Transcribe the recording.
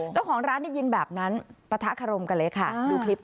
เจ้าของร้านได้ยินแบบนั้นปะทะคารมกันเลยค่ะดูคลิป